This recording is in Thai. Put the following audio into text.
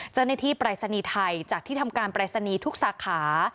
ปรายศนีย์ไทยจากที่ทำการปรายศนีย์ทุกสาขา